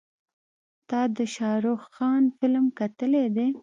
تا د شارخ خان فلم کتلی دی.